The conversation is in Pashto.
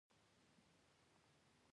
راکټ کولی شي سیارې هم ورسیږي